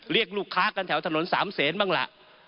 เรียกลูกค้ากันแถวถนนสามเศษบ้างล่ะ